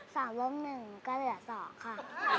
สามวงหนึ่งก็เหลือสองค่ะ